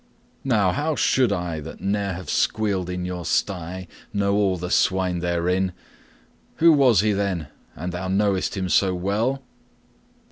"Now, how should I, that ne'er have squealed in your sty, know all the swine therein? Who was he, then, an thou knowest him so well?"